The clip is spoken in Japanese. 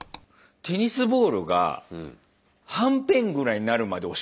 テニスボールがはんぺんぐらいになるまで押してるのに。